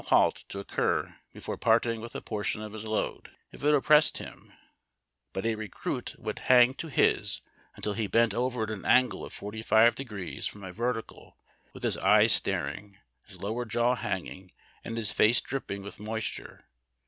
o4o halt to occur before parting with a })ortioii of his k)ad, if it oppressed him; but a recruit would hang to his until he bent over at an angle of 45° from a vertical, with his eyes staring, his lower jaw hanging, and his face dripping with moisture.